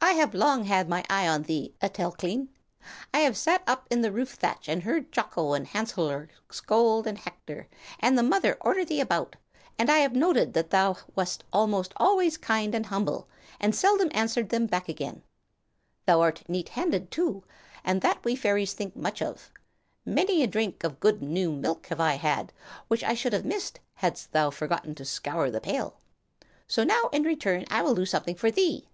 "I have long had my eye on thee, Etelklein. I have sat up in the roof thatch and heard Jocko and Hanserl scold and hector, and the mother order thee about, and I have noted that thou wast almost always kind and humble, and seldom answered them back again. Thou art neat handed, too, and that we fairies think much of. Many a drink of good new milk have I had, which I should have missed hadst thou forgotten to scour the pail. So now in return I will do something for thee.